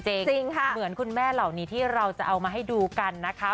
เหมือนคุณแม่เหล่านี้ที่เราจะเอามาให้ดูกันนะคะ